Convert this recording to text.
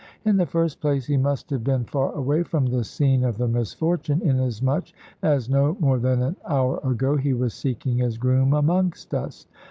In the first place, he must have been far away from the scene of the misfortune, inasmuch as no more than an hour ago he was seeking his groom amongst us.